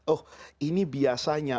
oh ini biasanya